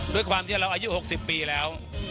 ด้วยความที่เราอายุ๖๐ปีแล้ว